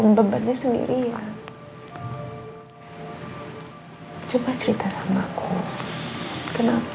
aku bisa memberikan tempat yang nyaman biar kamu untuk hidup